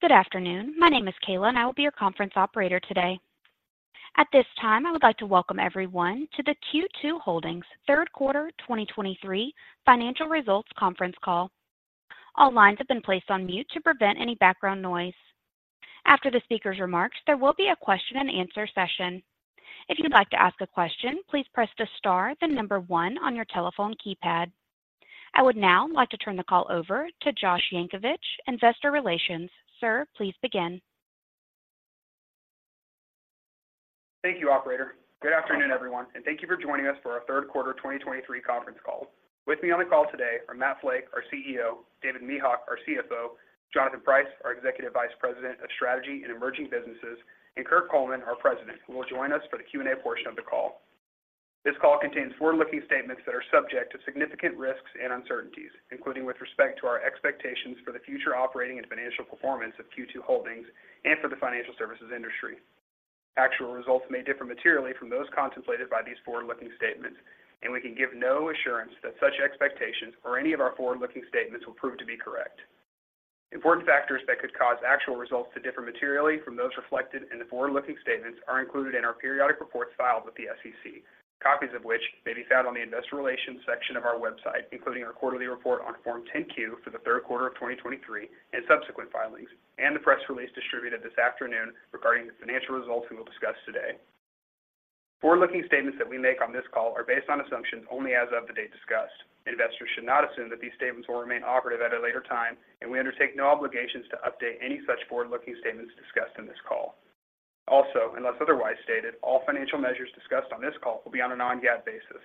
Good afternoon. My name is Kayla, and I will be your conference operator today. At this time, I would like to welcome everyone to the Q2 Holdings third quarter 2023 financial results conference call. All lines have been placed on mute to prevent any background noise. After the speaker's remarks, there will be a question and answer session. If you'd like to ask a question, please press the star, then 1 on your telephone keypad. I would now like to turn the call over to Josh Yankovich, Investor Relations. Sir, please begin. Thank you, operator. Good afternoon, everyone, and thank you for joining us for our third quarter 2023 conference call. With me on the call today are Matt Flake, our CEO, David Mehok, our CFO, Jonathan Price, our Executive Vice President of Strategy and Emerging Businesses, and Kirk Coleman, our President, who will join us for the Q&A portion of the call. This call contains forward-looking statements that are subject to significant risks and uncertainties, including with respect to our expectations for the future operating and financial performance of Q2 Holdings and for the financial services industry. Actual results may differ materially from those contemplated by these forward-looking statements, and we can give no assurance that such expectations or any of our forward-looking statements will prove to be correct. Important factors that could cause actual results to differ materially from those reflected in the forward-looking statements are included in our periodic reports filed with the SEC. Copies of which may be found on the Investor Relations section of our website, including our quarterly report on Form 10-Q for the third quarter of 2023, and subsequent filings, and the press release distributed this afternoon regarding the financial results we will discuss today. Forward-looking statements that we make on this call are based on assumptions only as of the date discussed. Investors should not assume that these statements will remain operative at a later time, and we undertake no obligations to update any such forward-looking statements discussed in this call. Also, unless otherwise stated, all financial measures discussed on this call will be on a non-GAAP basis.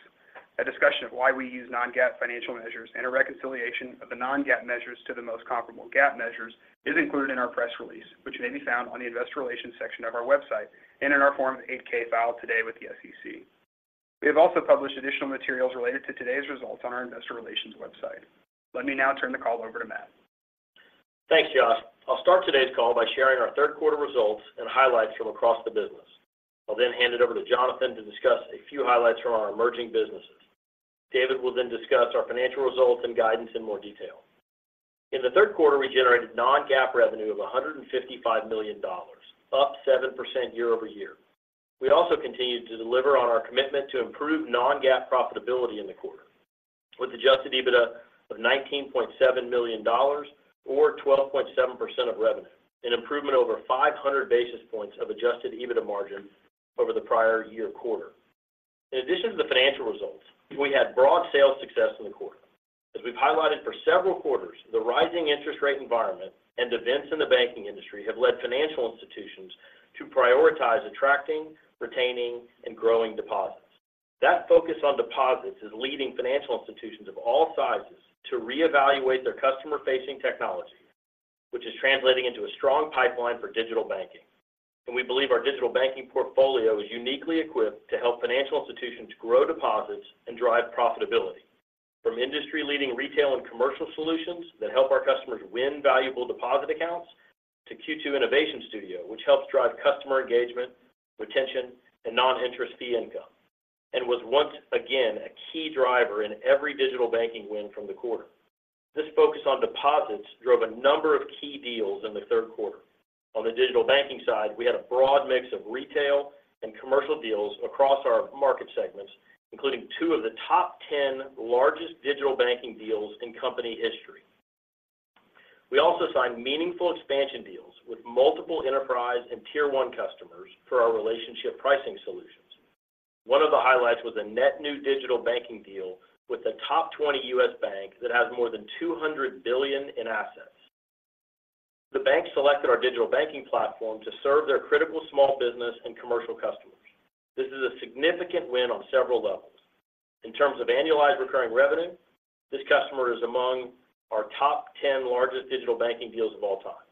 A discussion of why we use non-GAAP financial measures and a reconciliation of the non-GAAP measures to the most comparable GAAP measures is included in our press release, which may be found on the Investor Relations section of our website and in our Form 8-K filed today with the SEC. We have also published additional materials related to today's results on our Investor Relations website. Let me now turn the call over to Matt. Thanks, Josh. I'll start today's call by sharing our third quarter results and highlights from across the business. I'll then hand it over to Jonathan to discuss a few highlights from our emerging businesses. David will then discuss our financial results and guidance in more detail. In the third quarter, we generated non-GAAP revenue of $155 million, up 7% year-over-year. We also continued to deliver on our commitment to improve non-GAAP profitability in the quarter, with adjusted EBITDA of $19.7 million or 12.7% of revenue, an improvement over 500 basis points of adjusted EBITDA margin over the prior year quarter. In addition to the financial results, we had broad sales success in the quarter. As we've highlighted for several quarters, the rising interest rate environment and events in the banking industry have led financial institutions to prioritize attracting, retaining, and growing deposits. That focus on deposits is leading financial institutions of all sizes to reevaluate their customer-facing technology, which is translating into a strong pipeline for digital banking. And we believe our digital banking portfolio is uniquely equipped to help financial institutions grow deposits and drive profitability. From industry-leading retail and commercial solutions that help our customers win valuable deposit accounts, to Q2 Innovation Studio, which helps drive customer engagement, retention, and non-interest fee income, and was once again a key driver in every digital banking win from the quarter. This focus on deposits drove a number of key deals in the third quarter. On the digital banking side, we had a broad mix of retail and commercial deals across our market segments, including 2 of the top 10 largest digital banking deals in company history. We also signed meaningful expansion deals with multiple enterprise and Tier 1 customers for our Relationship Pricing solutions. One of the highlights was a net new digital banking deal with a top 20 U.S. bank that has more than $200 billion in assets. The bank selected our digital banking platform to serve their critical small business and commercial customers. This is a significant win on several levels. In terms of annualized recurring revenue, this customer is among our top 10 largest digital banking deals of all time.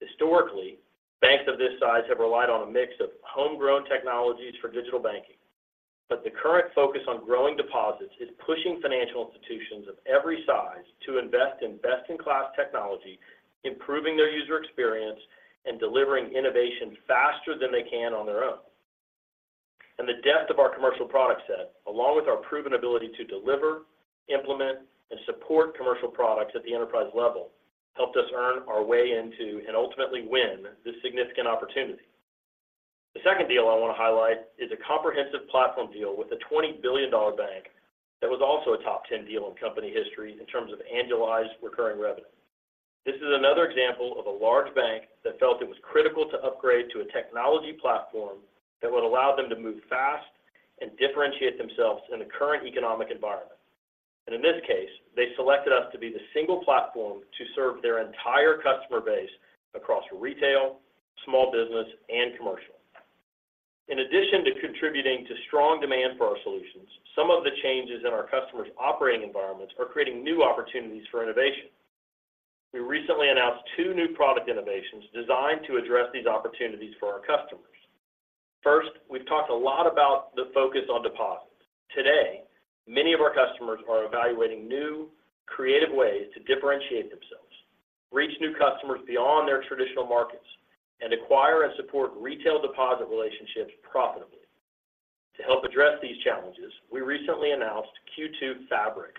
Historically, banks of this size have relied on a mix of homegrown technologies for digital banking, but the current focus on growing deposits is pushing financial institutions of every size to invest in best-in-class technology, improving their user experience, and delivering innovation faster than they can on their own. The depth of our commercial product set, along with our proven ability to deliver, implement, and support commercial products at the enterprise level, helped us earn our way into and ultimately win this significant opportunity. The second deal I want to highlight is a comprehensive platform deal with a $20 billion bank that was also a top 10 deal in company history in terms of annualized recurring revenue. This is another example of a large bank that felt it was critical to upgrade to a technology platform that would allow them to move fast and differentiate themselves in the current economic environment. In this case, they selected us to be the single platform to serve their entire customer base across retail, small business, and commercial. In addition to contributing to strong demand for our solutions, some of the changes in our customers' operating environments are creating new opportunities for innovation. We recently announced two new product innovations designed to address these opportunities for our customers. First, we've talked a lot about the focus on deposits. Today, many of our customers are evaluating new, creative ways to differentiate themselves, reach new customers beyond their traditional markets, and acquire and support retail deposit relationships profitably.... To help address these challenges, we recently announced Q2 Fabric,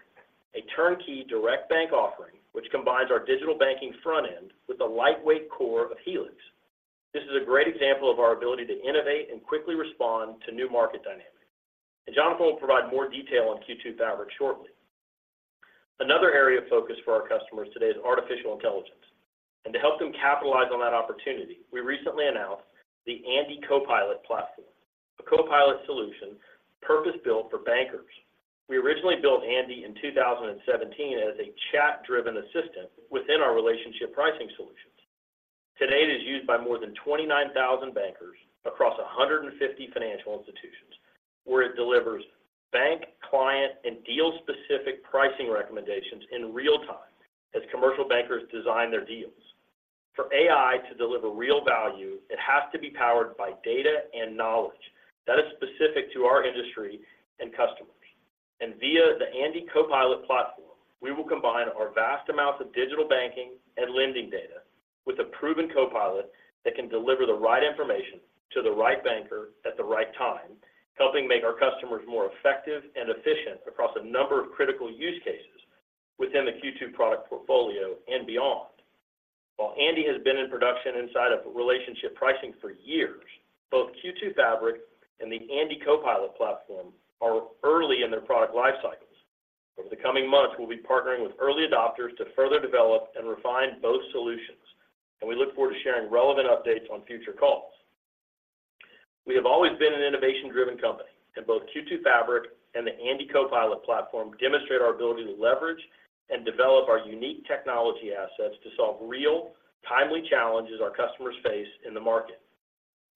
a turnkey direct bank offering, which combines our digital banking front end with the lightweight core of Helix. This is a great example of our ability to innovate and quickly respond to new market dynamics. And Jonathan will provide more detail on Q2 Fabric shortly. Another area of focus for our customers today is artificial intelligence, and to help them capitalize on that opportunity, we recently announced the Andi Copilot platform, a copilot solution purpose-built for bankers. We originally built Andi in 2017 as a chat-driven assistant within our relationship pricing solutions. Today, it is used by more than 29,000 bankers across 150 financial institutions, where it delivers bank, client, and deal-specific pricing recommendations in real time as commercial bankers design their deals. For AI to deliver real value, it has to be powered by data and knowledge that is specific to our industry and customers. Via the Andi Copilot platform, we will combine our vast amounts of digital banking and lending data with a proven copilot that can deliver the right information to the right banker at the right time, helping make our customers more effective and efficient across a number of critical use cases within the Q2 product portfolio and beyond. While Andi has been in production inside of relationship pricing for years, both Q2 Fabric and the Andi Copilot platform are early in their product life cycles. Over the coming months, we'll be partnering with early adopters to further develop and refine both solutions, and we look forward to sharing relevant updates on future calls. We have always been an innovation-driven company, and both Q2 Fabric and the Andi Copilot platform demonstrate our ability to leverage and develop our unique technology assets to solve real, timely challenges our customers face in the market.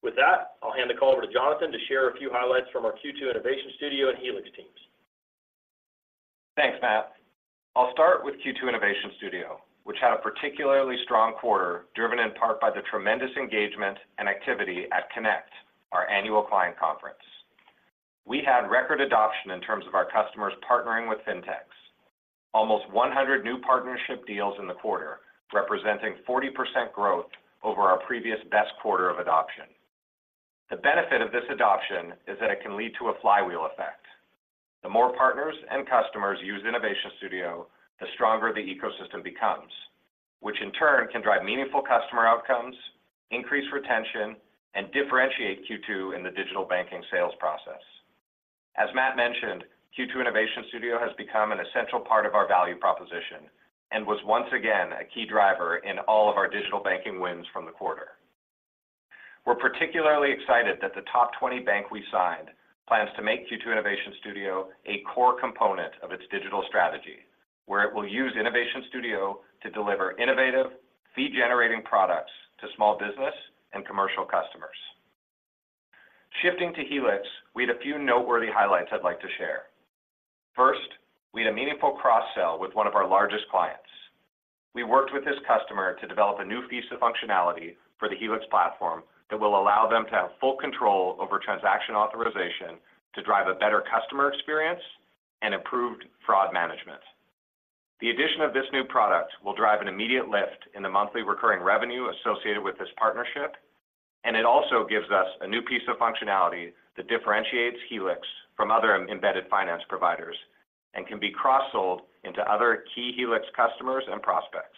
With that, I'll hand the call over to Jonathan to share a few highlights from our Q2 Innovation Studio and Helix teams. Thanks, Matt. I'll start with Q2 Innovation Studio, which had a particularly strong quarter, driven in part by the tremendous engagement and activity at Connect, our annual client conference. We had record adoption in terms of our customers partnering with fintechs. Almost 100 new partnership deals in the quarter, representing 40% growth over our previous best quarter of adoption. The benefit of this adoption is that it can lead to a flywheel effect. The more partners and customers use Innovation Studio, the stronger the ecosystem becomes, which in turn can drive meaningful customer outcomes, increase retention, and differentiate Q2 in the digital banking sales process. As Matt mentioned, Q2 Innovation Studio has become an essential part of our value proposition and was once again a key driver in all of our digital banking wins from the quarter. We're particularly excited that the top 20 bank we signed plans to make Q2 Innovation Studio a core component of its digital strategy, where it will use Innovation Studio to deliver innovative, fee-generating products to small business and commercial customers. Shifting to Helix, we had a few noteworthy highlights I'd like to share. First, we had a meaningful cross-sell with one of our largest clients. We worked with this customer to develop a new piece of functionality for the Helix platform that will allow them to have full control over transaction authorization to drive a better customer experience and improved fraud management. The addition of this new product will drive an immediate lift in the monthly recurring revenue associated with this partnership, and it also gives us a new piece of functionality that differentiates Helix from other embedded finance providers and can be cross-sold into other key Helix customers and prospects.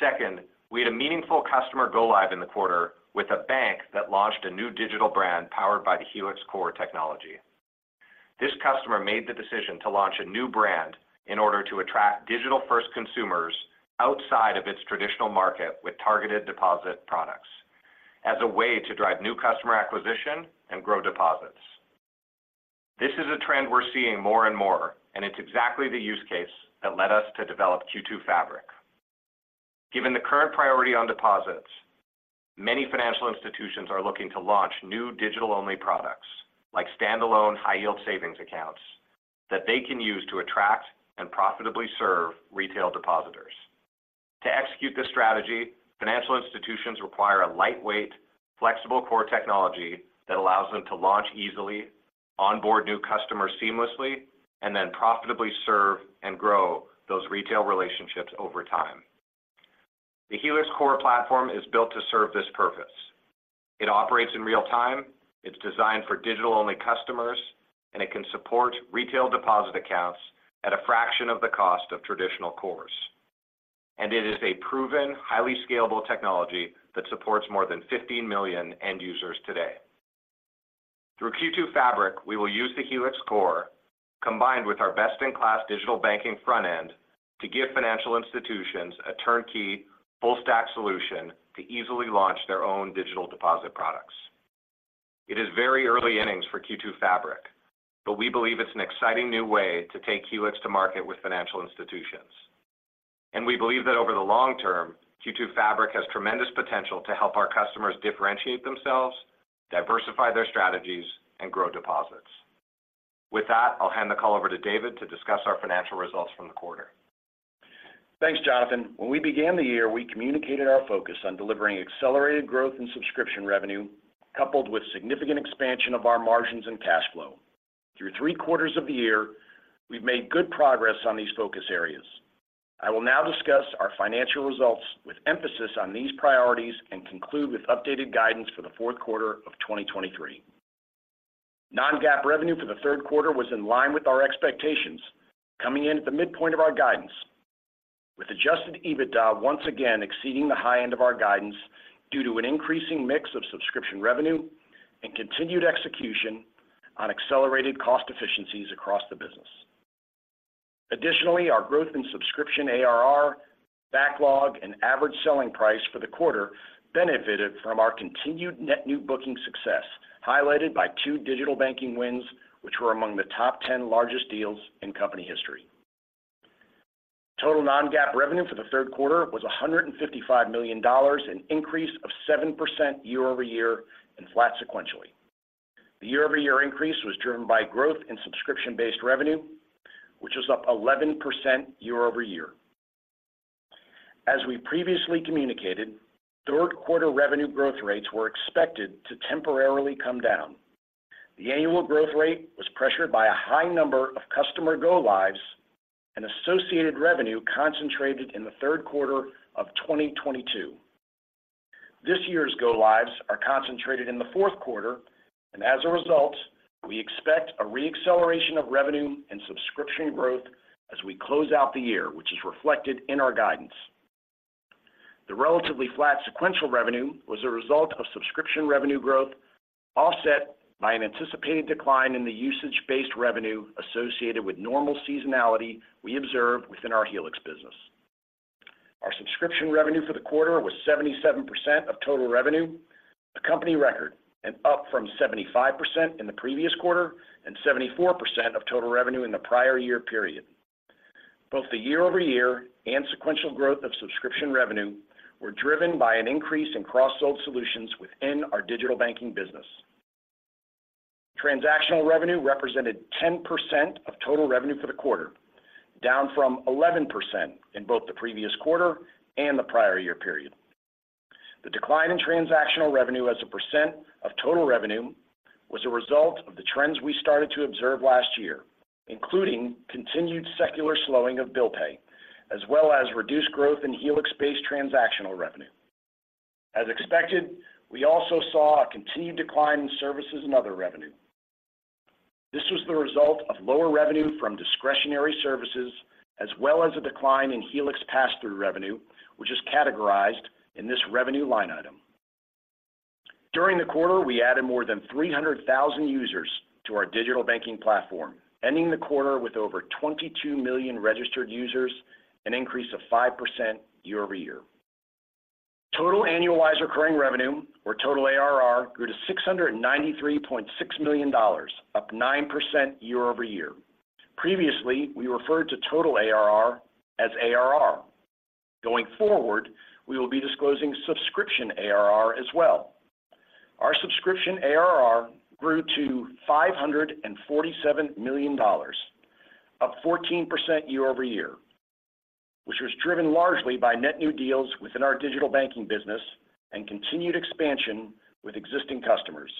Second, we had a meaningful customer go live in the quarter with a bank that launched a new digital brand powered by the Helix core technology. This customer made the decision to launch a new brand in order to attract digital-first consumers outside of its traditional market with targeted deposit products as a way to drive new customer acquisition and grow deposits. This is a trend we're seeing more and more, and it's exactly the use case that led us to develop Q2 Fabric. Given the current priority on deposits, many financial institutions are looking to launch new digital-only products, like standalone high-yield savings accounts, that they can use to attract and profitably serve retail depositors. To execute this strategy, financial institutions require a lightweight, flexible core technology that allows them to launch easily, onboard new customers seamlessly, and then profitably serve and grow those retail relationships over time. The Helix core platform is built to serve this purpose. It operates in real time, it's designed for digital-only customers, and it can support retail deposit accounts at a fraction of the cost of traditional cores. It is a proven, highly scalable technology that supports more than 15 million end users today. Through Q2 Fabric, we will use the Helix core, combined with our best-in-class digital banking front end, to give financial institutions a turnkey, full-stack solution to easily launch their own digital deposit products. It is very early innings for Q2 Fabric, but we believe it's an exciting new way to take Helix to market with financial institutions. And we believe that over the long term, Q2 Fabric has tremendous potential to help our customers differentiate themselves, diversify their strategies, and grow deposits. With that, I'll hand the call over to David to discuss our financial results from the quarter. Thanks, Jonathan. When we began the year, we communicated our focus on delivering accelerated growth and subscription revenue, coupled with significant expansion of our margins and cash flow. Through three quarters of the year, we've made good progress on these focus areas. ... I will now discuss our financial results with emphasis on these priorities and conclude with updated guidance for the fourth quarter of 2023. Non-GAAP revenue for the third quarter was in line with our expectations, coming in at the midpoint of our guidance, with adjusted EBITDA once again exceeding the high end of our guidance due to an increasing mix of subscription revenue and continued execution on accelerated cost efficiencies across the business. Additionally, our growth in subscription ARR, backlog, and average selling price for the quarter benefited from our continued net new booking success, highlighted by two digital banking wins, which were among the top 10 largest deals in company history. Total non-GAAP revenue for the third quarter was $155 million, an increase of 7% year-over-year and flat sequentially. The year-over-year increase was driven by growth in subscription-based revenue, which was up 11% year-over-year. As we previously communicated, third quarter revenue growth rates were expected to temporarily come down. The annual growth rate was pressured by a high number of customer go-lives and associated revenue concentrated in the third quarter of 2022. This year's go-lives are concentrated in the fourth quarter, and as a result, we expect a re-acceleration of revenue and subscription growth as we close out the year, which is reflected in our guidance. The relatively flat sequential revenue was a result of subscription revenue growth, offset by an anticipated decline in the usage-based revenue associated with normal seasonality we observe within our Helix business. Our subscription revenue for the quarter was 77% of total revenue, a company record, and up from 75% in the previous quarter and 74% of total revenue in the prior year period. Both the year-over-year and sequential growth of subscription revenue were driven by an increase in cross-sold solutions within our digital banking business. Transactional revenue represented 10% of total revenue for the quarter, down from 11% in both the previous quarter and the prior year period. The decline in transactional revenue as a percent of total revenue was a result of the trends we started to observe last year, including continued secular slowing of bill pay, as well as reduced growth in Helix-based transactional revenue. As expected, we also saw a continued decline in services and other revenue. This was the result of lower revenue from discretionary services, as well as a decline in Helix pass-through revenue, which is categorized in this revenue line item. During the quarter, we added more than 300,000 users to our digital banking platform, ending the quarter with over 22 million registered users, an increase of 5% year-over-year. Total annualized recurring revenue, or total ARR, grew to $693.6 million, up 9% year-over-year. Previously, we referred to total ARR as ARR. Going forward, we will be disclosing subscription ARR as well. Our subscription ARR grew to $547 million, up 14% year-over-year, which was driven largely by net new deals within our digital banking business and continued expansion with existing customers.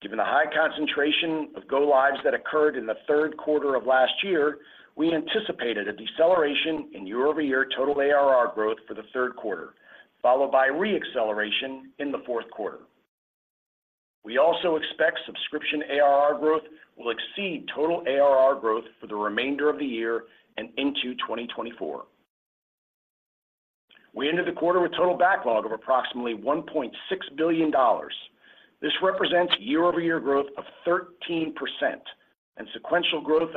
Given the high concentration of go-lives that occurred in the third quarter of last year, we anticipated a deceleration in year-over-year total ARR growth for the third quarter, followed by re-acceleration in the fourth quarter. We also expect subscription ARR growth will exceed total ARR growth for the remainder of the year and into 2024. We ended the quarter with total backlog of approximately $1.6 billion. This represents year-over-year growth of 13% and sequential growth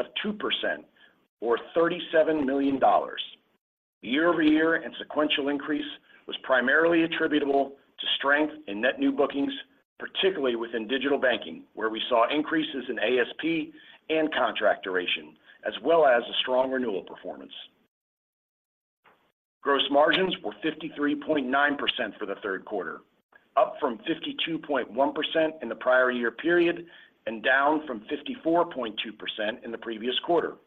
of 2%, or $37 million. Year-over-year and sequential increase was primarily attributable to strength in net new bookings, particularly within digital banking, where we saw increases in ASP and contract duration, as well as a strong renewal performance. Gross margins were 53.9% for the third quarter, up from 52.1% in the prior year period and down from 54.2% in the previous quarter.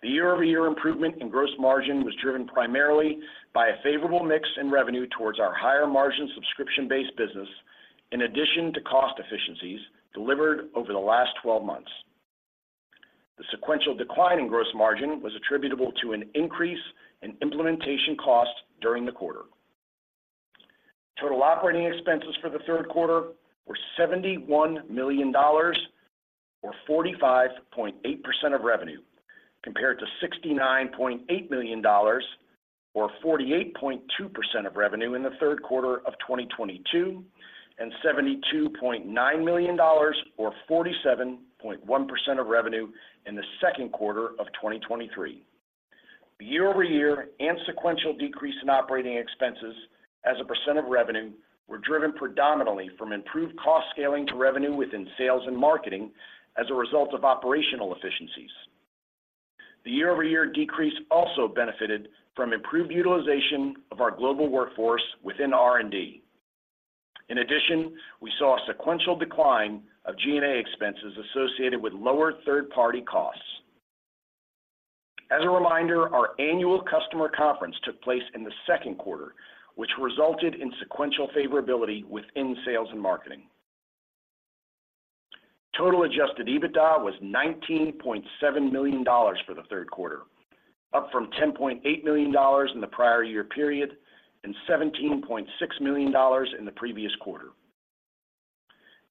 The year-over-year improvement in gross margin was driven primarily by a favorable mix in revenue towards our higher-margin, subscription-based business, in addition to cost efficiencies delivered over the last 12 months. The sequential decline in gross margin was attributable to an increase in implementation costs during the quarter. Total operating expenses for the third quarter were $71 million, or 45.8% of revenue, compared to $69.8 million, or 48.2% of revenue in the third quarter of 2022, and $72.9 million, or 47.1% of revenue in the second quarter of 2023. Year-over-year and sequential decrease in operating expenses as a % of revenue were driven predominantly from improved cost scaling to revenue within sales and marketing as a result of operational efficiencies. The year-over-year decrease also benefited from improved utilization of our global workforce within R&D. In addition, we saw a sequential decline of G&A expenses associated with lower third-party costs. As a reminder, our annual customer conference took place in the second quarter, which resulted in sequential favorability within sales and marketing. Total Adjusted EBITDA was $19.7 million for the third quarter, up from $10.8 million in the prior year period, and $17.6 million in the previous quarter.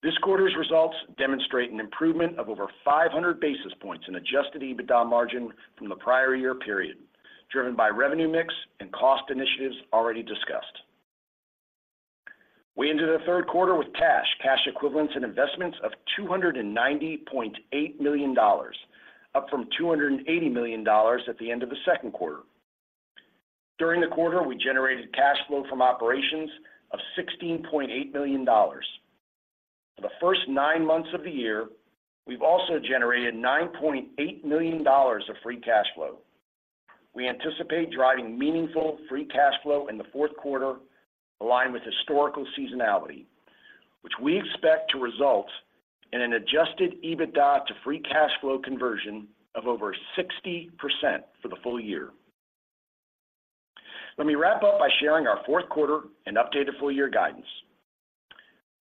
This quarter's results demonstrate an improvement of over 500 basis points in Adjusted EBITDA margin from the prior year period, driven by revenue mix and cost initiatives already discussed. We ended the third quarter with cash, cash equivalents, and investments of $290.8 million, up from $280 million at the end of the second quarter. During the quarter, we generated cash flow from operations of $16.8 million. For the first nine months of the year, we've also generated $9.8 million of free cash flow. We anticipate driving meaningful free cash flow in the fourth quarter, aligned with historical seasonality, which we expect to result in an Adjusted EBITDA to free cash flow conversion of over 60% for the full year. Let me wrap up by sharing our fourth quarter and updated full year guidance.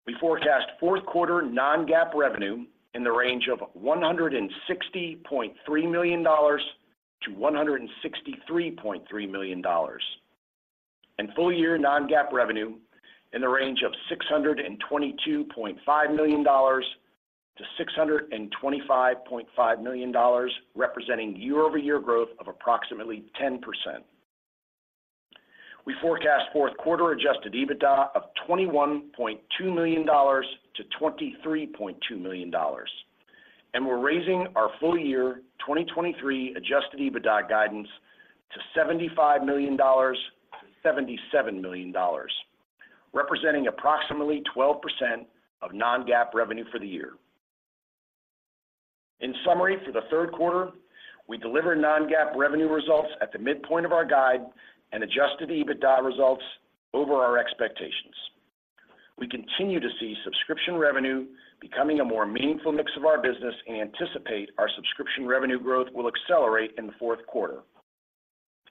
We forecast fourth quarter non-GAAP revenue in the range of $160.3 million-$163.3 million, and full year non-GAAP revenue in the range of $622.5 million-$625.5 million, representing year-over-year growth of approximately 10%. We forecast fourth quarter Adjusted EBITDA of $21.2 million-$23.2 million, and we're raising our full year 2023 Adjusted EBITDA guidance to $75 million-$77 million, representing approximately 12% of non-GAAP revenue for the year. In summary, for the third quarter, we delivered non-GAAP revenue results at the midpoint of our guide and Adjusted EBITDA results over our expectations. We continue to see subscription revenue becoming a more meaningful mix of our business and anticipate our subscription revenue growth will accelerate in the fourth quarter.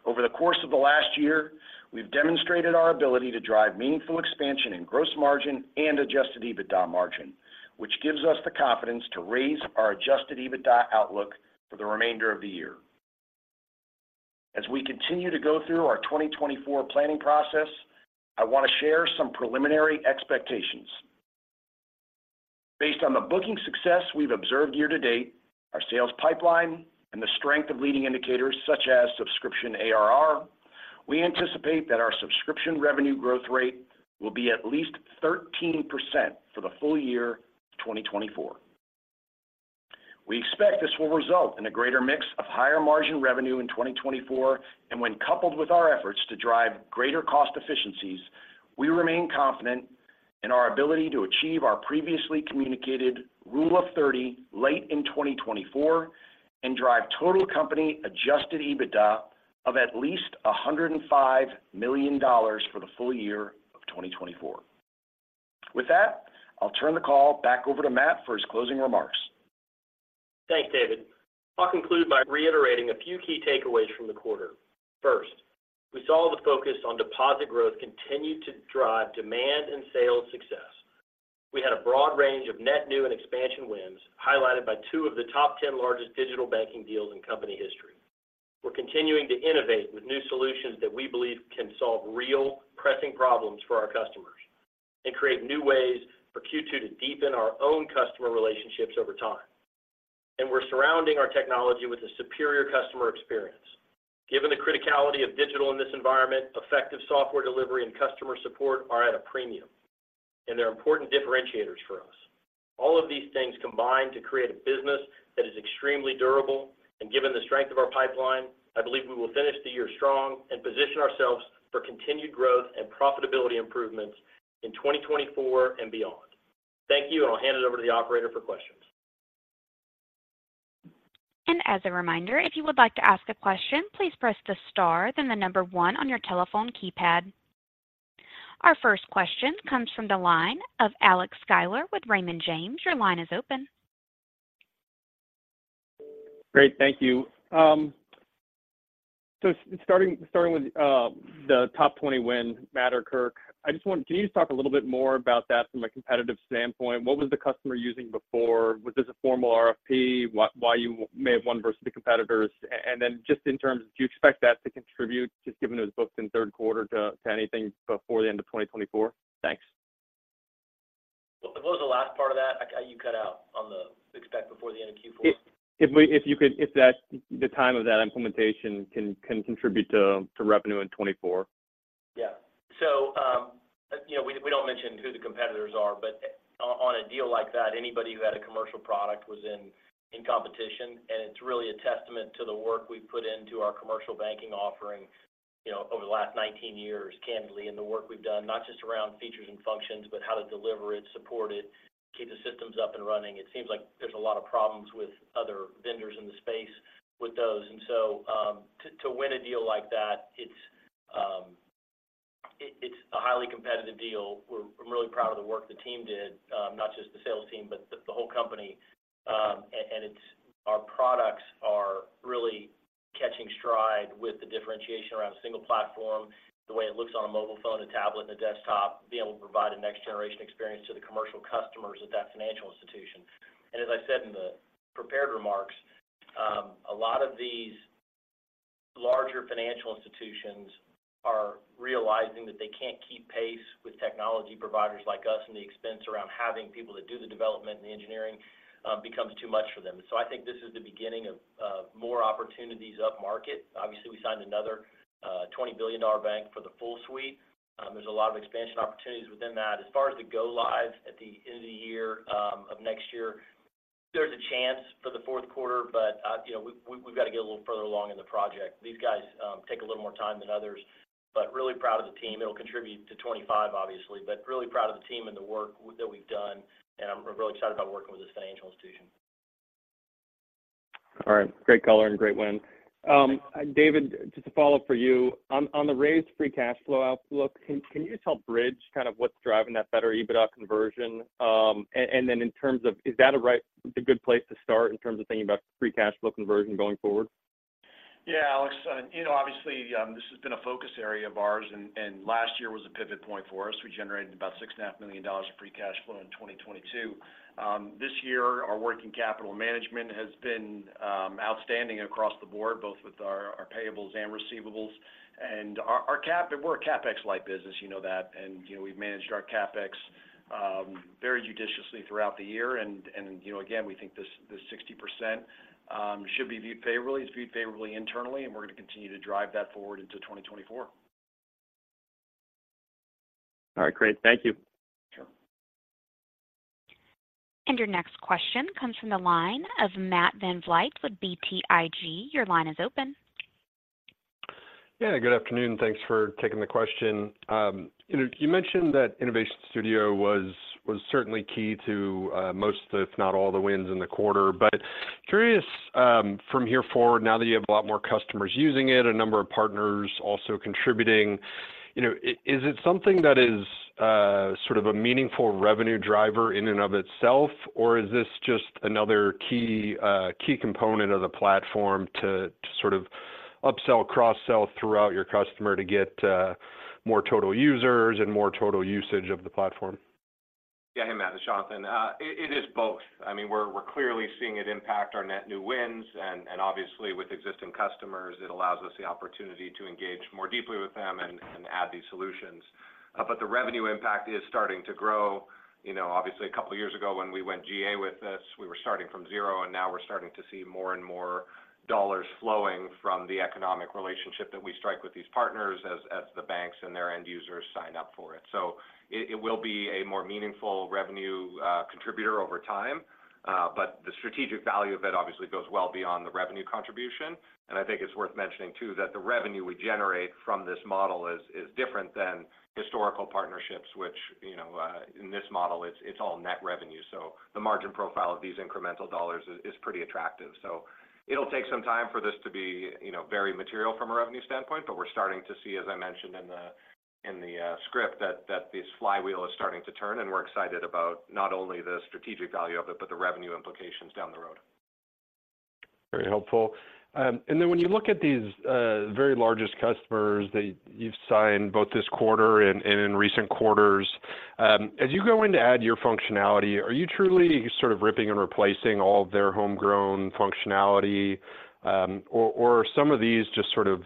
Over the course of the last year, we've demonstrated our ability to drive meaningful expansion in gross margin and Adjusted EBITDA margin, which gives us the confidence to raise our Adjusted EBITDA outlook for the remainder of the year. As we continue to go through our 2024 planning process, I want to share some preliminary expectations. Based on the booking success we've observed year to date, our sales pipeline, and the strength of leading indicators, such as subscription ARR, we anticipate that our subscription revenue growth rate will be at least 13% for the full year of 2024. We expect this will result in a greater mix of higher margin revenue in 2024, and when coupled with our efforts to drive greater cost efficiencies, we remain confident in our ability to achieve our previously communicated Rule of 30 late in 2024, and drive total company-adjusted EBITDA of at least $105 million for the full year of 2024. With that, I'll turn the call back over to Matt for his closing remarks. Thanks, David. I'll conclude by reiterating a few key takeaways from the quarter. First, we saw the focus on deposit growth continue to drive demand and sales success. We had a broad range of net new and expansion wins, highlighted by two of the top ten largest digital banking deals in company history. We're continuing to innovate with new solutions that we believe can solve real, pressing problems for our customers and create new ways for Q2 to deepen our own customer relationships over time. And we're surrounding our technology with a superior customer experience. Given the criticality of digital in this environment, effective software delivery and customer support are at a premium, and they're important differentiators for us. All of these things combine to create a business that is extremely durable, and given the strength of our pipeline, I believe we will finish the year strong and position ourselves for continued growth and profitability improvements in 2024 and beyond. Thank you, and I'll hand it over to the operator for questions. As a reminder, if you would like to ask a question, please press the star, then the number one on your telephone keypad. Our first question comes from the line of Alex Sklar with Raymond James. Your line is open. Great. Thank you. So starting with the top 20 win, Matt or Kirk, can you just talk a little bit more about that from a competitive standpoint? What was the customer using before? Was this a formal RFP? Why you may have won versus the competitors? And then just in terms, do you expect that to contribute, just given it was booked in the third quarter, to anything before the end of 2024? Thanks. What was the last part of that? You cut out on the "expect before the end of Q4. If that, the time of that implementation can contribute to revenue in 2024. Yeah. So, you know, we don't mention who the competitors are, but on a deal like that, anybody who had a commercial product was in competition. And it's really a testament to the work we've put into our commercial banking offering, you know, over the last 19 years, candidly, and the work we've done, not just around features and functions, but how to deliver it, support it, keep the systems up and running. It seems like there's a lot of problems with other vendors in the space with those. And so, to win a deal like that, it's a highly competitive deal. I'm really proud of the work the team did, not just the sales team, but the whole company.... Our products are really catching stride with the differentiation around a single platform, the way it looks on a mobile phone, a tablet, and a desktop, being able to provide a next generation experience to the commercial customers at that financial institution. And as I said in the prepared remarks, a lot of these larger financial institutions are realizing that they can't keep pace with technology providers like us, and the expense around having people that do the development and the engineering becomes too much for them. So I think this is the beginning of more opportunities upmarket. Obviously, we signed another $20 billion bank for the full suite. There's a lot of expansion opportunities within that. As far as the go-lives at the end of the year of next year, there's a chance for the fourth quarter, but you know, we've got to get a little further along in the project. These guys take a little more time than others, but really proud of the team. It'll contribute to 2025, obviously, but really proud of the team and the work that we've done, and we're really excited about working with this financial institution. All right. Great color and great win. David, just to follow up for you, on the raised free cash flow outlook, can you just help bridge kind of what's driving that better EBITDA conversion? And then in terms of, is that a right, a good place to start in terms of thinking about free cash flow conversion going forward? Yeah, Alex, you know, obviously, this has been a focus area of ours, and last year was a pivot point for us. We generated about $6.5 million of free cash flow in 2022. This year, our working capital management has been outstanding across the board, both with our payables and receivables. And our CapEx—we're a CapEx-light business, you know that, and, you know, we've managed our CapEx very judiciously throughout the year. And you know, again, we think this 60% should be viewed favorably. It's viewed favorably internally, and we're going to continue to drive that forward into 2024. All right, great. Thank you. Sure. Your next question comes from the line of Matt Van Vliet with BTIG. Your line is open. Yeah, good afternoon, and thanks for taking the question. You know, you mentioned that Innovation Studio was certainly key to most, if not all, the wins in the quarter. But curious, from here forward, now that you have a lot more customers using it, a number of partners also contributing, you know, is it something that is sort of a meaningful revenue driver in and of itself? Or is this just another key key component of the platform to to sort of upsell, cross-sell throughout your customer to get more total users and more total usage of the platform? Yeah. Hey, Matt, it's Jonathan. It is both. I mean, we're clearly seeing it impact our net new wins, and obviously, with existing customers, it allows us the opportunity to engage more deeply with them and add these solutions. But the revenue impact is starting to grow. You know, obviously, a couple of years ago, when we went GA with this, we were starting from zero, and now we're starting to see more and more dollars flowing from the economic relationship that we strike with these partners as the banks and their end users sign up for it. So it will be a more meaningful revenue contributor over time, but the strategic value of it obviously goes well beyond the revenue contribution. And I think it's worth mentioning, too, that the revenue we generate from this model is, is different than historical partnerships, which, you know, in this model, it's, it's all net revenue. So the margin profile of these incremental dollars is, is pretty attractive. So it'll take some time for this to be, you know, very material from a revenue standpoint, but we're starting to see, as I mentioned in the, in the script, that, that this flywheel is starting to turn, and we're excited about not only the strategic value of it, but the revenue implications down the road. Very helpful. And then when you look at these, very largest customers that you've signed both this quarter and, and in recent quarters, as you go in to add your functionality, are you truly sort of ripping and replacing all of their homegrown functionality? Or, or are some of these just sort of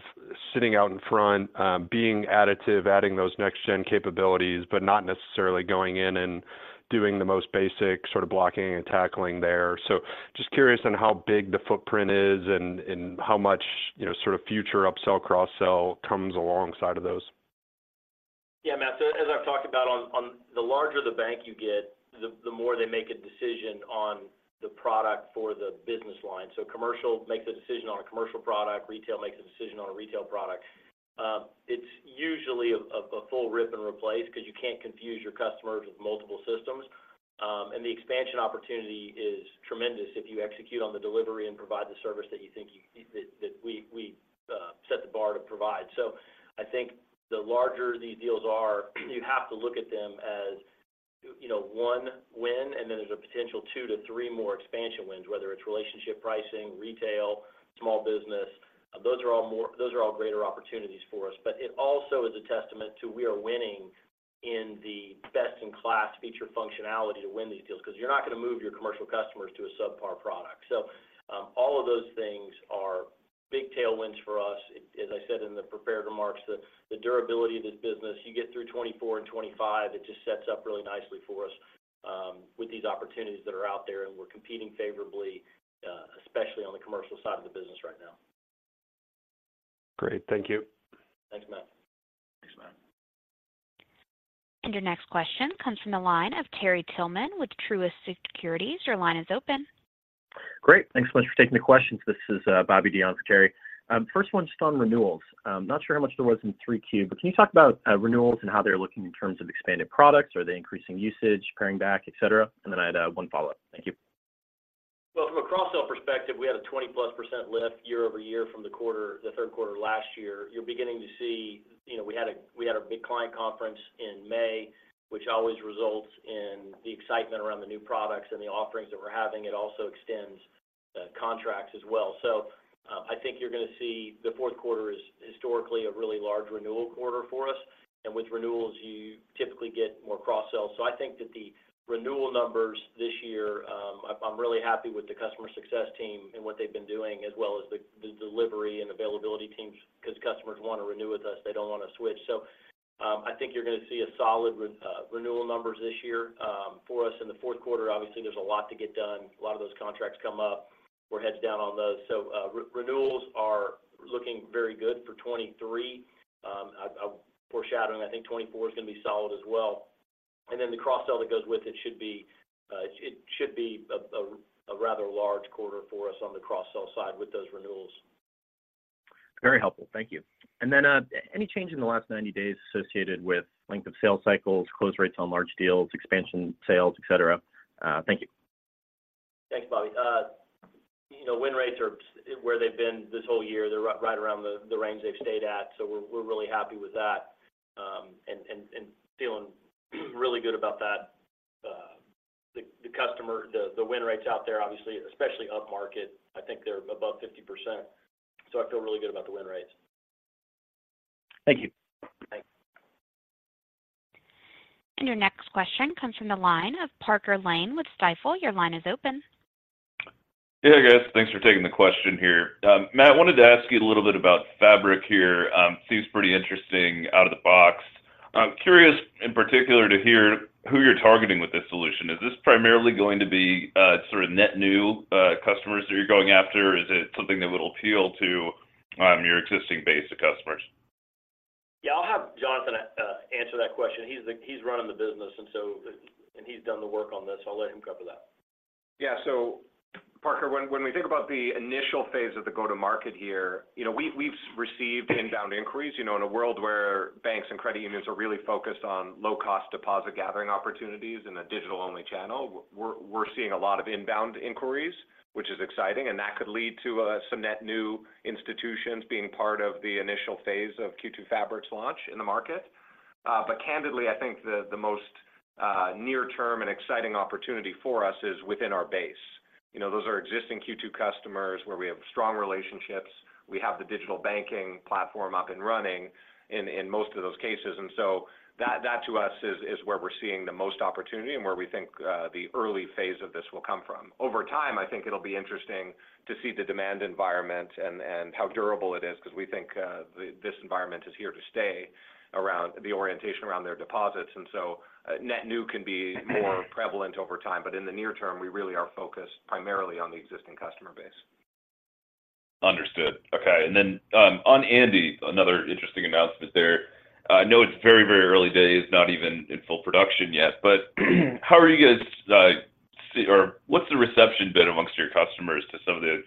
sitting out in front, being additive, adding those next-gen capabilities, but not necessarily going in and doing the most basic sort of blocking and tackling there? So just curious on how big the footprint is and, and how much, you know, sort of future upsell, cross-sell comes alongside of those. Yeah, Matt. So as I've talked about, the larger the bank you get, the more they make a decision on the product for the business line. So commercial makes a decision on a commercial product, retail makes a decision on a retail product. It's usually a full rip and replace because you can't confuse your customers with multiple systems. And the expansion opportunity is tremendous if you execute on the delivery and provide the service that we set the bar to provide. So I think the larger these deals are, you have to look at them as, you know, 1 win, and then there's a potential 2-3 more expansion wins, whether it's relationship pricing, retail, small business. Those are all greater opportunities for us. But it also is a testament to we are winning in the best-in-class feature functionality to win these deals, because you're not going to move your commercial customers to a subpar product. So, all of those things are big tailwinds for us. As I said in the prepared remarks, the durability of this business, you get through 2024 and 2025, it just sets up really nicely for us, with these opportunities that are out there, and we're competing favorably, especially on the commercial side of the business right now. Great. Thank you. Thanks, Matt. Thanks, Matt. Your next question comes from the line of Terry Tillman with Truist Securities. Your line is open. Great. Thanks so much for taking the questions. This is, Bobby Dion for Terry. First one, just on renewals. Not sure how much there was in 3Q, but can you talk about, renewals and how they're looking in terms of expanded products? Are they increasing usage, paring back, et cetera? And then I'd have one follow-up. Thank you. Well, from across our perspective, we had a 20+% lift year-over-year from the quarter, the third quarter last year. You're beginning to see, you know, we had a big client conference in May, which always results in the excitement around the new products and the offerings that we're having. It also extends contracts as well. So, I think you're gonna see the fourth quarter is historically a really large renewal quarter for us, and with renewals, you typically get more cross-sells. So I think that the renewal numbers this year, I'm really happy with the customer success team and what they've been doing, as well as the delivery and availability teams, because customers want to renew with us. They don't want to switch. So, I think you're gonna see solid renewal numbers this year for us in the fourth quarter. Obviously, there's a lot to get done. A lot of those contracts come up. We're heads down on those. So, renewals are looking very good for 2023. I'm foreshadowing, I think 2024 is going to be solid as well, and then the cross-sell that goes with it should be a rather large quarter for us on the cross-sell side with those renewals. Very helpful. Thank you. And then, any change in the last 90 days associated with length of sales cycles, close rates on large deals, expansion sales, et cetera? Thank you. Thanks, Bobby. You know, win rates are where they've been this whole year. They're right around the range they've stayed at, so we're really happy with that, and feeling really good about that. The win rates out there, obviously, especially upmarket, I think they're above 50%, so I feel really good about the win rates. Thank you. Thanks. Your next question comes from the line of Parker Lane with Stifel. Your line is open. Hey, guys. Thanks for taking the question here. Matt, I wanted to ask you a little bit about Fabric here. Seems pretty interesting out of the box. I'm curious, in particular, to hear who you're targeting with this solution. Is this primarily going to be sort of net new customers that you're going after, or is it something that would appeal to your existing base of customers? Yeah, I'll have Jonathan answer that question. He's running the business, and so... and he's done the work on this, so I'll let him cover that. Yeah. So Parker, when we think about the initial phase of the go-to-market here, you know, we've received inbound inquiries. You know, in a world where banks and credit unions are really focused on low-cost deposit gathering opportunities in a digital-only channel, we're seeing a lot of inbound inquiries, which is exciting, and that could lead to some net new institutions being part of the initial phase of Q2 Fabric's launch in the market. But candidly, I think the most near term and exciting opportunity for us is within our base. You know, those are existing Q2 customers where we have strong relationships. We have the digital banking platform up and running in most of those cases, and so that to us is where we're seeing the most opportunity and where we think the early phase of this will come from. Over time, I think it'll be interesting to see the demand environment and how durable it is, because we think this environment is here to stay around the orientation around their deposits, and so net new can be more prevalent over time. But in the near term, we really are focused primarily on the existing customer base. Understood. Okay, and then on Andi, another interesting announcement there. I know it's very, very early days, not even in full production yet, but how are you guys or what's the reception been amongst your customers to some of the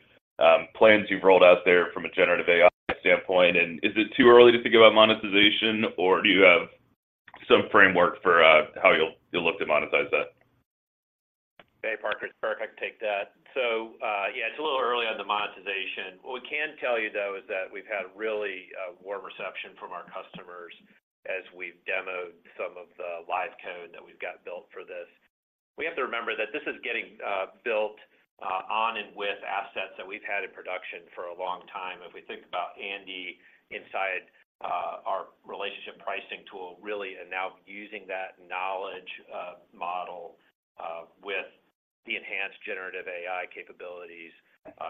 plans you've rolled out there from a generative AI standpoint? And is it too early to think about monetization, or do you have some framework for how you'll, you'll look to monetize that? Hey, Parker. Parker, I can take that. So, yeah, it's a little early on the monetization. What we can tell you, though, is that we've had really, warm reception from our customers as we've demoed some of the live code that we've got built for this. We have to remember that this is getting, built, on and with assets that we've had in production for a long time. If we think about Andi inside, our relationship pricing tool, really, and now using that knowledge, model, with the enhanced generative AI capabilities,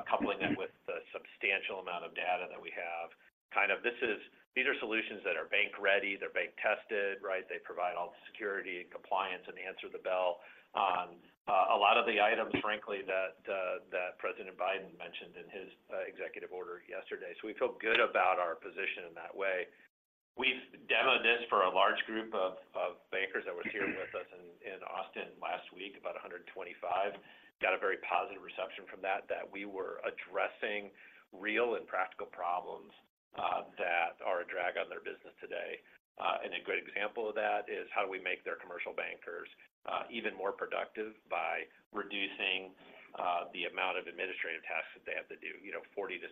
coupling them with the substantial amount of data that we have, kind of, this is, these are solutions that are bank-ready, they're bank-tested, right? They provide all the security and compliance and answer the bell on a lot of the items, frankly, that that President Biden mentioned in his executive order yesterday. So we feel good about our position in that way. We've demoed this for a large group of bankers that were here with us in Austin last week, about 125. Got a very positive reception from that we were addressing real and practical problems that are a drag on their business today. And a great example of that is how do we make their commercial bankers even more productive by reducing the amount of administrative tasks that they have to do. You know, 40%-60%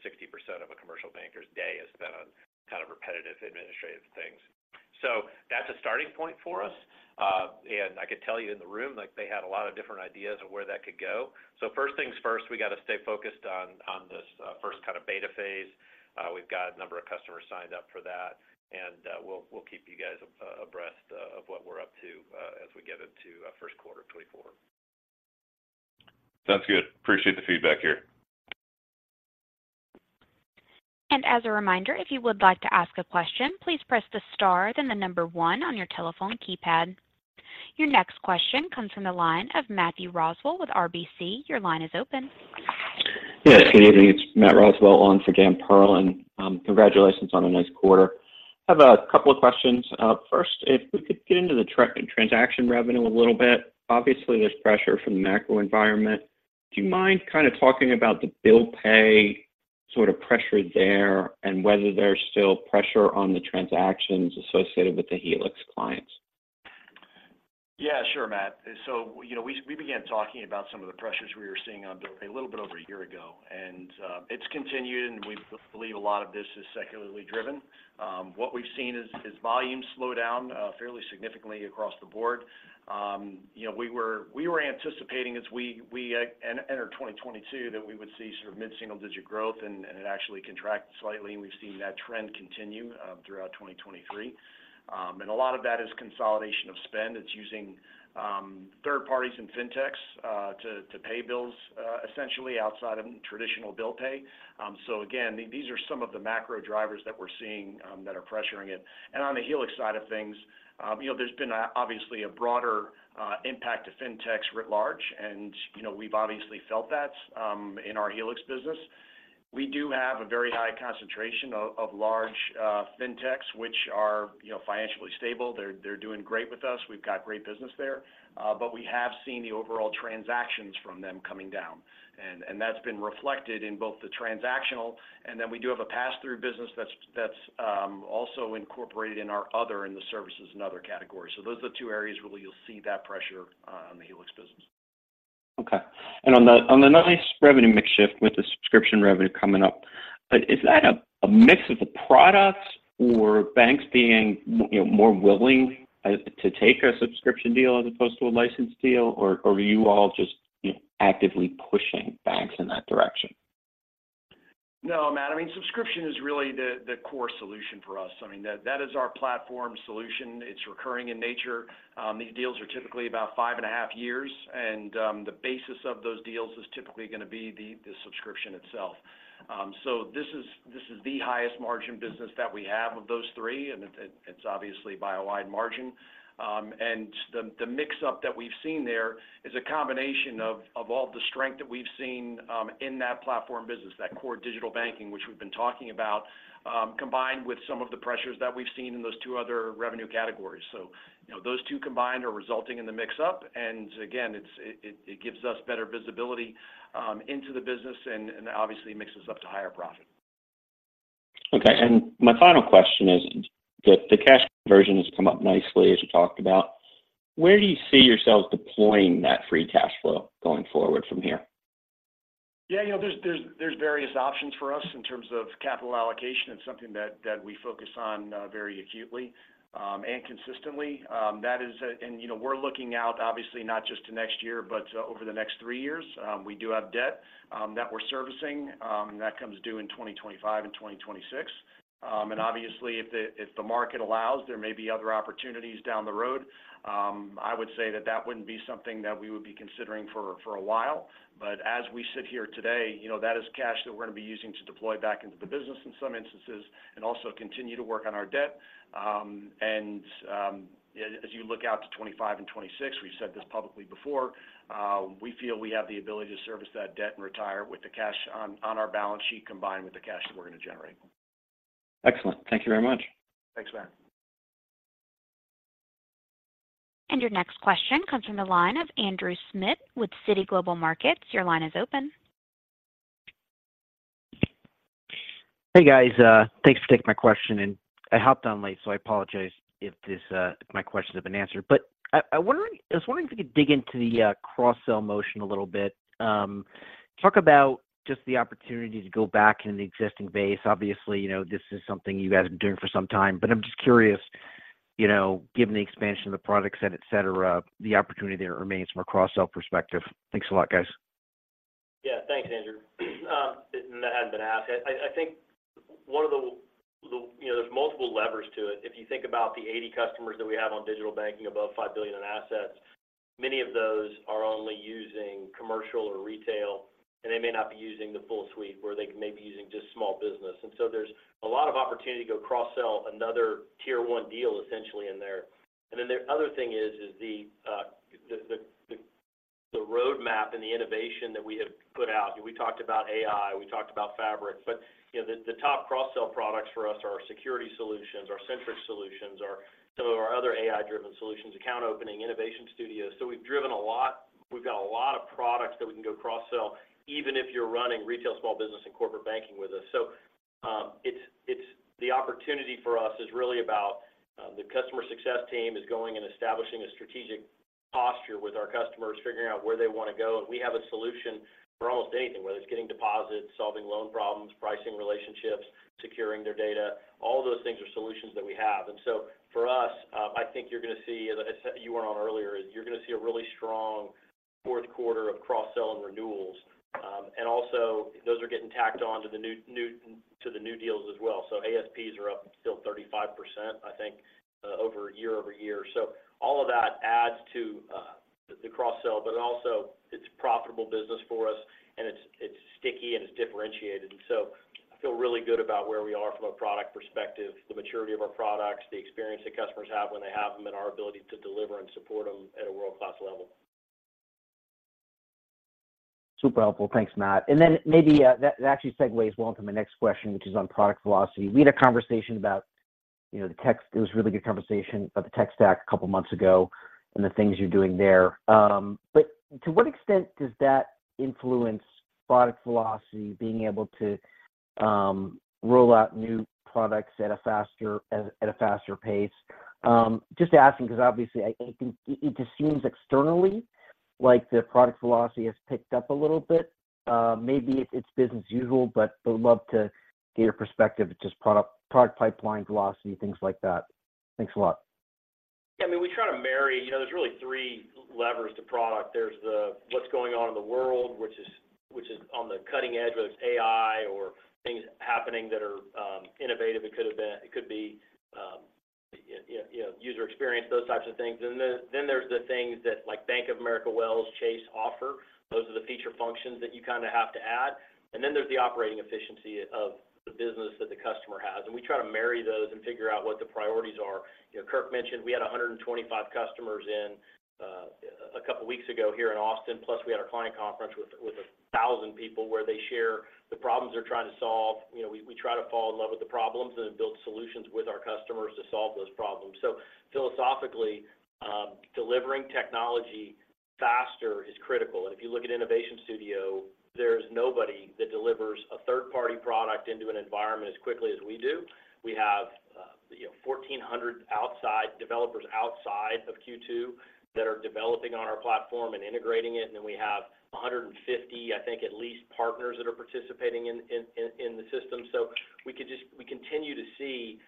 of a commercial banker's day is spent on kind of repetitive administrative things. So that's a starting point for us. And I could tell you in the room, like, they had a lot of different ideas of where that could go. So first things first, we got to stay focused on, on this, first kind of beta phase. We've got a number of customers signed up for that, and, we'll, we'll keep you guys abreast of, of what we're up to, as we get into, first quarter 2024. Sounds good. Appreciate the feedback here. As a reminder, if you would like to ask a question, please press the star, then the number 1 on your telephone keypad. Your next question comes from the line of Matthew Roswell with RBC. Your line is open. Yeah, good evening. It's Matt Roswell on for Dan Perlin and, congratulations on a nice quarter. I have a couple of questions. First, if we could get into the transaction revenue a little bit. Obviously, there's pressure from the macro environment. Do you mind kind of talking about the bill pay, sort of pressure there, and whether there's still pressure on the transactions associated with the Helix clients?... Yeah, sure, Matt. So, you know, we began talking about some of the pressures we were seeing on bill pay a little bit over a year ago, and it's continued, and we believe a lot of this is secularly driven. What we've seen is volumes slow down fairly significantly across the board. You know, we were anticipating as we enter 2022, that we would see sort of mid-single-digit growth, and it actually contracted slightly, and we've seen that trend continue throughout 2023. And a lot of that is consolidation of spend. It's using third parties and fintechs to pay bills essentially outside of traditional bill pay. So again, these are some of the macro drivers that we're seeing that are pressuring it. On the Helix side of things, you know, there's been obviously a broader impact to fintechs writ large, and, you know, we've obviously felt that in our Helix business. We do have a very high concentration of large fintechs, which are, you know, financially stable. They're doing great with us. We've got great business there. But we have seen the overall transactions from them coming down, and that's been reflected in both the transactional, and then we do have a pass-through business that's also incorporated in the services and other categories. So those are the two areas really you'll see that pressure on the Helix business. Okay. And on the nice revenue mix shift with the subscription revenue coming up, is that a mix of the products or banks being you know, more willing to take a subscription deal as opposed to a license deal? Or are you all just, you know, actively pushing banks in that direction? No, Matt, I mean, subscription is really the core solution for us. I mean, that is our platform solution. It's recurring in nature. These deals are typically about 5.5 years, and the basis of those deals is typically gonna be the subscription itself. So this is the highest margin business that we have of those three, and it's obviously by a wide margin. And the mix-up that we've seen there is a combination of all the strength that we've seen in that platform business, that core digital banking, which we've been talking about, combined with some of the pressures that we've seen in those two other revenue categories. So, you know, those two combined are resulting in the mix shift, and again, it gives us better visibility into the business and obviously mix shift to higher profit. Okay. My final question is, the cash conversion has come up nicely, as you talked about. Where do you see yourselves deploying that free cash flow going forward from here? Yeah, you know, there's various options for us in terms of capital allocation. It's something that we focus on very acutely and consistently. That is... And, you know, we're looking out obviously not just to next year, but over the next three years. We do have debt that we're servicing and that comes due in 2025 and 2026. And obviously, if the market allows, there may be other opportunities down the road. I would say that that wouldn't be something that we would be considering for a while. But as we sit here today, you know, that is cash that we're gonna be using to deploy back into the business in some instances, and also continue to work on our debt. As you look out to 2025 and 2026, we've said this publicly before, we feel we have the ability to service that debt and retire with the cash on our balance sheet, combined with the cash that we're gonna generate. Excellent. Thank you very much. Thanks, Matt. Your next question comes from the line of Andrew Schmidt with Citi Global Markets. Your line is open. Hey, guys. Thanks for taking my question, and I hopped on late, so I apologize if this, if my questions have been answered. But I was wondering if you could dig into the cross-sell motion a little bit. Talk about just the opportunity to go back into the existing base. Obviously, you know, this is something you guys have been doing for some time, but I'm just curious, you know, given the expansion of the product set, et cetera, the opportunity there remains from a cross-sell perspective. Thanks a lot, guys. Yeah. Thanks, Andrew. And that hadn't been asked. I think one of the... You know, there's multiple levers to it. If you think about the 80 customers that we have on digital banking, above $5 billion in assets, many of those are only using commercial or retail, and they may not be using the full suite, or they may be using just small business. And so there's a lot of opportunity to go cross-sell another Tier 1 deal, essentially in there. And then the other thing is the roadmap and the innovation that we have put out. We talked about AI, we talked about Fabric, but, you know, the top cross-sell products for us are our security solutions, our Centrix solutions, some of our other AI-driven solutions, account opening, Innovation Studios. So we've driven a lot—we've got a lot of products that we can go cross-sell, even if you're running retail, small business, and corporate banking with us. So, it's the opportunity for us is really about the customer success team is going and establishing a strategic posture with our customers, figuring out where they wanna go, and we have a solution for almost anything, whether it's getting deposits, solving loan problems, pricing relationships, securing their data, all those things are solutions that we have. And so for us, I think you're gonna see, as I said, you were on earlier, is you're gonna see a really strong fourth quarter of cross-sell and renewals. And also, those are getting tacked on to the new to the new deals as well. So ASPs are up still 35%, I think, over year-over-year. So all of that adds to the cross-sell, but also it's profitable business for us, and it's sticky, and it's differentiated. And so I feel really good about where we are from a product perspective, the maturity of our products, the experience that customers have when they have them, and our ability to deliver and support them at a world-class level. Super helpful. Thanks, Matt. And then maybe, that actually segues well into my next question, which is on product philosophy. We had a conversation about, you know, the tech stack. It was a really good conversation about the tech stack a couple of months ago and the things you're doing there. But to what extent does that influence product philosophy, being able to roll out new products at a faster pace? Just asking, because obviously, I think it just seems externally like the product velocity has picked up a little bit. Maybe it's business as usual, but I would love to get your perspective, just product pipeline velocity, things like that. Thanks a lot. I mean, we try to marry, you know, there's really three levers to product. There's what's going on in the world, which is on the cutting edge, whether it's AI or things happening that are, you know, innovative. It could be, you know, user experience, those types of things. Then there's the things that, like, Bank of America, Wells, Chase offer. Those are the feature functions that you kinda have to add. Then there's the operating efficiency of the business that the customer has, and we try to marry those and figure out what the priorities are. You know, Kirk mentioned we had 125 customers in a couple weeks ago here in Austin, plus we had our client conference with 1,000 people, where they share the problems they're trying to solve. You know, we try to fall in love with the problems and build solutions with our customers to solve those problems. So philosophically, delivering technology faster is critical. And if you look at Innovation Studio, there's nobody that delivers a third-party product into an environment as quickly as we do. We have, you know, 1,400 outside developers outside of Q2 that are developing on our platform and integrating it, and then we have 150, I think, at least, partners that are participating in the system. So we continue to see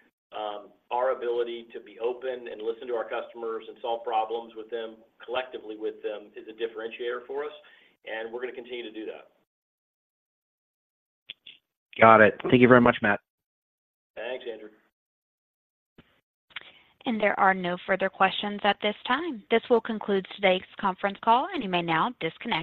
our ability to be open and listen to our customers and solve problems with them, collectively with them, is a differentiator for us, and we're going to continue to do that. Got it. Thank you very much, Matt. Thanks, Andrew. There are no further questions at this time. This will conclude today's conference call, and you may now disconnect.